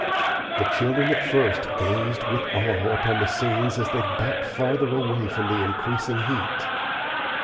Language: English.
The children at first gazed with awe upon the scenes as they backed farther away from the increasing heat.